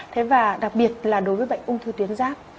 thế và đặc biệt là đối với bệnh ung thư tuyến giáp